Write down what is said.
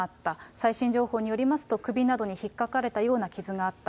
最新情報によりますと、首などにひっかかれたような傷があった。